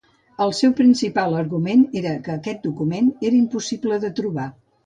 El seu principal argument era que aquest document era impossible de trobar.